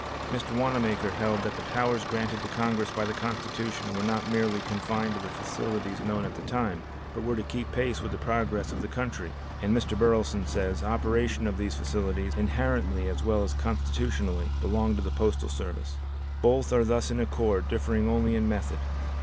Mr. Wanamaker held that the powers granted to Congress by the Constitution were not merely confined to the facilities known at the time, but were to keep pace with the progress of the country, and Mr. Burleson says, operation of these facilities inherently as well as constitutionally, belongs to the postal service. Both are thus in accord, differing only in method.